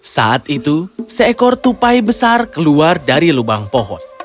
saat itu seekor tupai besar keluar dari lubang pohon